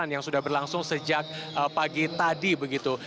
yang sudah berlangsung sejak pagi tadi begitu